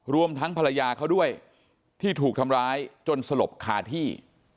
รวมทั้งภรรยาเขาด้วยที่ถูกทำร้ายจนสลบคาที่